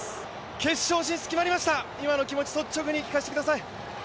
決勝進出決まりました、今の気持ち率直に聞かせてください。